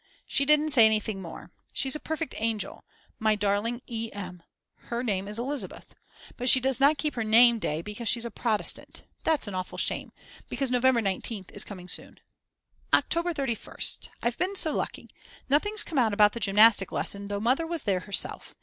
She didn't say anything more. She's a perfect angel, my darling E. M., her name is Elisabeth; but she does not keep her name day because she's a Protestant; that's an awful shame because November 19th is coming soon. October 31st. I've been so lucky. Nothing's come out about the gymnastic lesson though Mother was there herself.